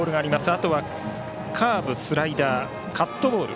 あとはカーブ、スライダーカットボール